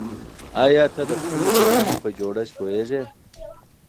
آیا ته د خپلې ټولنې په جوړښت پوهېږې؟